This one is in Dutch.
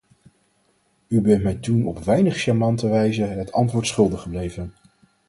U bent mij toen op weinig charmante wijze het antwoord schuldig gebleven.